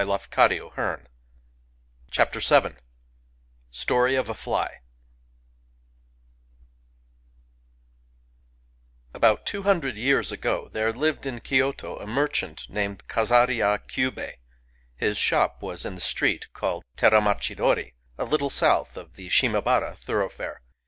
:■:,•]:, Digitized by Google Story of a Fly ABOUT two hundred years ago, there lived in Kyoto a merchant named Kazariya Kyubei. His shop was in the street called Teramachidori, a little south of the Shimabara thoroughfare.